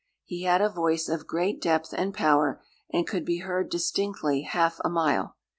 He had a voice of great depth and power, and could be heard distinctly half a mile.